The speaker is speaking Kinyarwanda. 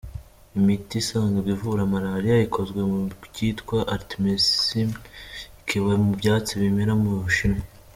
Imiti isanzwe ivura Malariya ikozwe mu kitwa Artemisin kiba mu byatsi bimera mu Bushinwa.